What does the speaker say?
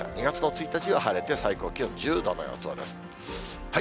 ２月の１日は晴れて、最高気温１０度の予想です。